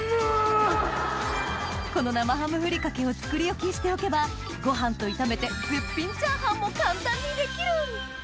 この生ハムふりかけを作り置きしておけばご飯と炒めて絶品チャーハンも簡単にできる！